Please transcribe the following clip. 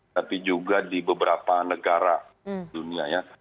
tapi juga di beberapa negara dunia ya